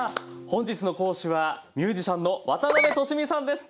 本日の講師はミュージシャンの渡辺俊美さんです。